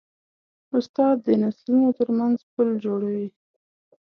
استاد د نسلونو ترمنځ پل جوړوي.